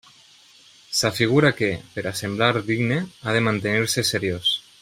S'afigura que, per a semblar digne, ha de mantenir-se seriós.